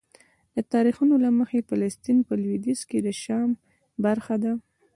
د تاریخونو له مخې فلسطین په لویدیځ کې د شام برخه ده.